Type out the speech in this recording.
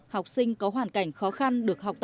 học sinh có hoàn cảnh khó khăn